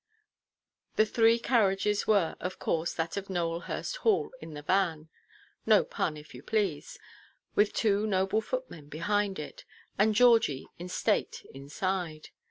The three carriages were, of course, that of Nowelhurst Hall in the van (no pun, if you please), with two noble footmen behind it, and Georgie in state inside.